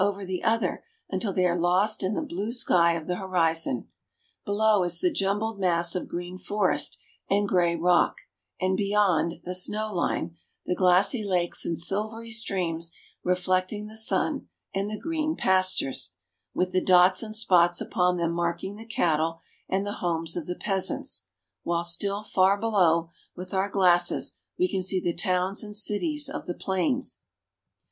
255 over the other until they are lost in the blue sky of the horizon. Below is the jumbled mass of green forest and gray rock, and, beyond the snow line, the glassy lakes and silvery streams reflecting the sun and the green pastures, with the dots and spots upon them marking the cattle and the homes of the peasants, while still far below, with our glasses, we can see the towns and cities of the plains. " Much of the way is over dangerous paths."